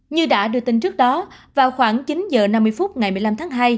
như đã đưa tin trước đó vào khoảng chín h năm mươi phút ngày một mươi năm tháng hai